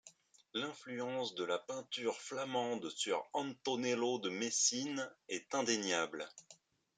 L'influence de la peinture flamande sur Antonello de Messine est indéniable.